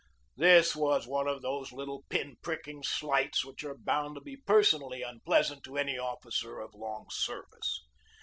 This was one of those little pin pricking slights which are bound to be personally unpleasant to any officer of long service.